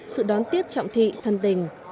sự đón tiếp trọng thị thân tình